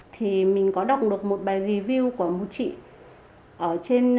thì mình có đọc được một bài review của một chị